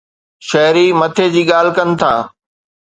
شهري مٿي جي ڳالهه ڪن ٿا.